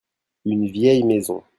Une vieille maison.